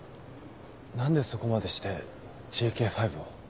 何でそこまでしてＪＫ５を？